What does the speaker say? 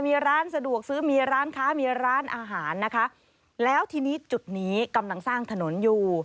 มีร้านสะดวกซื้อมีร้านค้ามีร้านอาหารนะคะแล้วทีนี้จุดนี้กำลังสร้างถนนอยู่